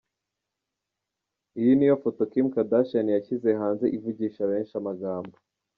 iyi niyo foto Kim Kardashian yashyize hanze ivugisha benshi amagambo.